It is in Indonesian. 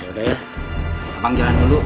yaudah ya abang jalan dulu